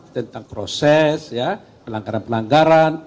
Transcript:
tentang proses pelanggaran pelanggaran